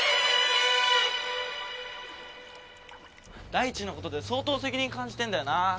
大地のことで相当責任感じてんだよな。